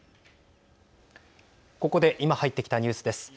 ここで今入ってきたニュースです。